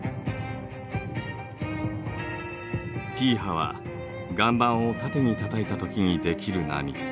Ｐ波は岩盤を縦にたたいた時にできる波。